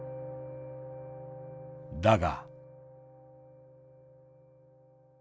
だが。